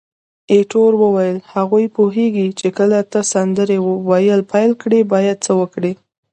ایټور وویل: هغوی پوهیږي چې کله ته سندرې ویل پیل کړې باید څه وکړي.